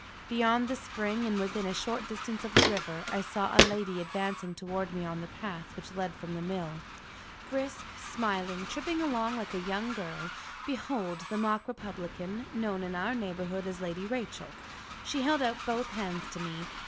Beyond the spring, and within a short distance of the river, I saw a lady advancing towards me on the path which led from the mill. Brisk, smiling, tripping along like a young girl, behold the mock republican, known in our neighborhood as Lady Rachel! She held out both hands to me.